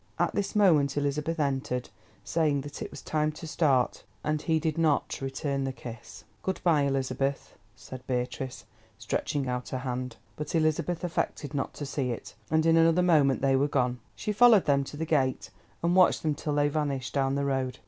At this moment Elizabeth entered, saying that it was time to start, and he did not return the kiss. "Good bye, Elizabeth," said Beatrice, stretching out her hand. But Elizabeth affected not to see it, and in another moment they were gone. She followed them to the gate and watched them till they vanished down the road.